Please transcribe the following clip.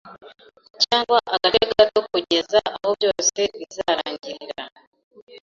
cyangwa agace gato kugeza aho byose bizarangirira.